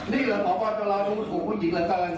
นี่เหลือประวัติศาสตร์ของผู้หญิงเหรอเจ้า